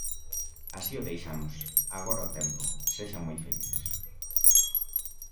Así o deixamos, agora o tempo, sexan moi felices.